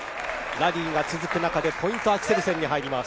ラリーが続く中でポイント、アクセルセンに入ります。